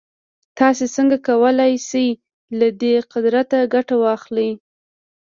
تاسې څنګه کولای شئ له دې قدرته ګټه واخلئ.